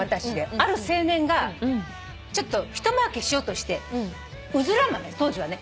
ある青年がひともうけしようとしてうずら豆当時はね